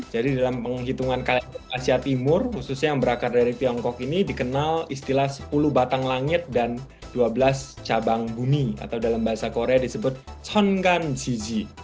jadi dalam penghitungan kalender asia timur khususnya yang berakar dari tiongkok ini dikenal istilah sepuluh batang langit dan dua belas cabang bumi atau dalam bahasa korea disebut cheongganjiji